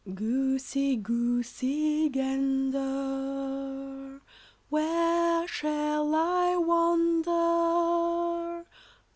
] Goosey, Goosey Gander, Where shall I wander?